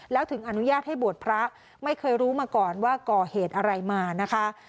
แล้วถึงอนุญาตให้บวชพระไม่เคยรู้มาก่อนว่าก่อเหตุอะไรมานะคะ